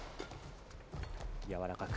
やわらかく。